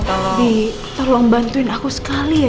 jadi nanti kau harus kesana